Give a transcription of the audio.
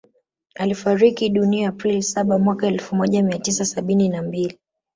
Alifariki dunia April saba mwaka elfu moja mia tisa sabini na mbili